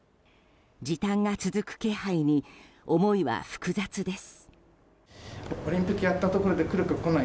時短が続く気配に思いは複雑です。